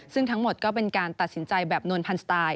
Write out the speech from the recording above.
ซึ่งทั้งหมดก็เป็นการตัดสินใจแบบนวลพันธไตล์